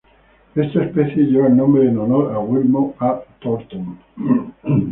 Esta especie lleva el nombre en honor a Wilmot A. Thornton.